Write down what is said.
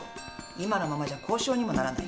今のままじゃ交渉にもならない。